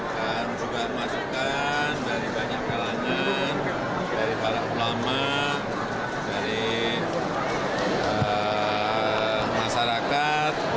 juga masukan dari banyak kalangan dari para ulama dari masyarakat